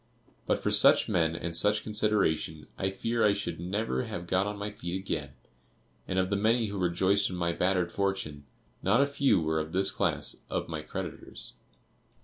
But for such men and such consideration I fear I should never have got on my feet again; and of the many who rejoiced in my bettered fortune, not a few were of this class of my creditors.